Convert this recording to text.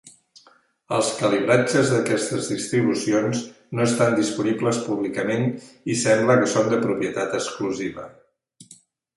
Els calibratges d'aquestes distribucions no estan disponibles públicament i sembla que són de propietat exclusiva.